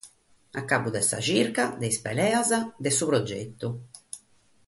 Acabbu de sa chirca, de sas peleas, de su progetu.